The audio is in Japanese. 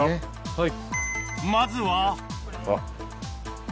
はい。